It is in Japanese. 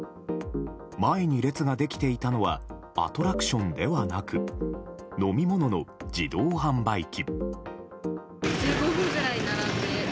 前に列ができていたのはアトラクションではなく飲み物の自動販売機。